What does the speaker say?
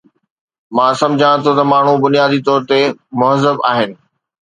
مان سمجهان ٿو ته ماڻهو بنيادي طور تي مهذب آهن